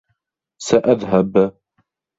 سأذهب.